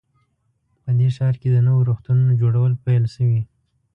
په دې ښار کې د نویو روغتونونو جوړول پیل شوي